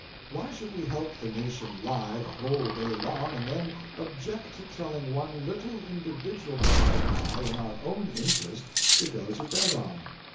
Why should we help the nation lie the whole day long and then object to telling one little individual private lie in our own interest to go to bed on?